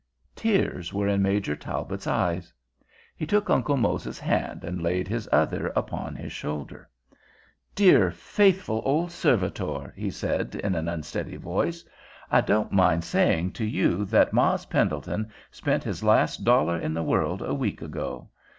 Tears were in Major Talbot's eyes. He took Uncle Mose's hand and laid his other upon his shoulder. "Dear, faithful, old servitor," he said in an unsteady voice, "I don't mind saying to you that ''Mars' Pendleton spent his last dollar in the world a week ago.